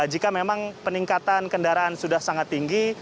jika memang peningkatan kendaraan sudah sangat tinggi